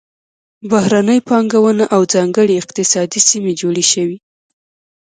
بهرنۍ پانګونه او ځانګړې اقتصادي سیمې جوړې شوې.